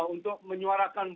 untuk mencari kemampuan